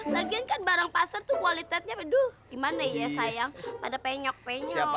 bagian kan barang pasar tuh kualitasnya aduh gimana ya sayang pada penyok penyok